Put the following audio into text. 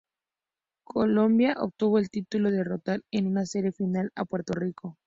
Colombia obtuvo el título al derrotar en una serie final a Puerto Rico.